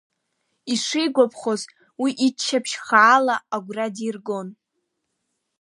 Ишигәаԥхоз, уи иччаԥшь хаала, агәра диргон…